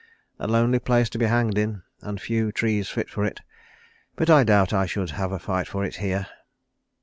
"A lonely place to be hanged in, and few trees fit for it. But I doubt I should have a fight for it here."